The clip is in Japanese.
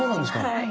はい。